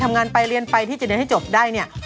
ทำงานไปเรียนไปที่จะเรียนให้จบได้เนี่ย